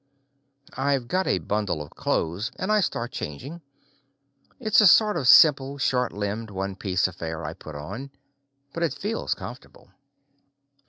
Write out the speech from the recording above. I've got a bundle of clothes and I start changing. It's a sort of simple, short limbed, one piece affair I put on, but it feels comfortable.